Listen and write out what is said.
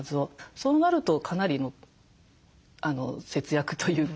そうなるとかなりの節約というか。